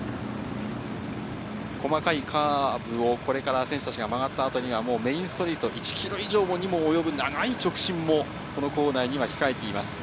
細かいカーブを選手たちが回った後、メインストリート、１ｋｍ以上にもおよぶ長い直進も、構内に控えています。